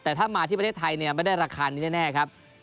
แต่ถ้ามาที่ประเทศไทยเนี่ยไม่ได้ราคานี้แน่ครับ